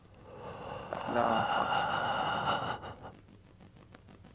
لاحق